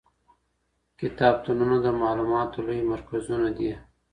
کتابتونونه د معلوماتو لوی مرکزونه دي.